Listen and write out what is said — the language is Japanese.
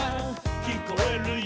「きこえるよ」